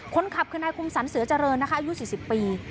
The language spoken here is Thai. คนขับคือนายคมสรรเสือเจริญนะคะอายุ๔๐ปี